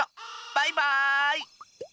バイバーイ！